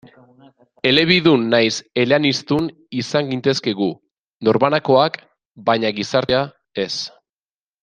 Elebidun nahiz eleaniztun izan gintezke gu, norbanakoak, baina gizartea, ez.